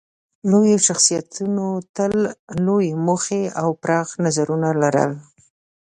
لویو شخصیتونو تل لویې موخې او پراخ نظرونه لرل.